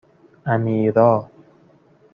امیرا